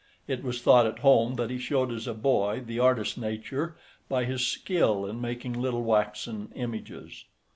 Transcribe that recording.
It was thought at home that he showed as a boy the artist nature by his skill in making little waxen images.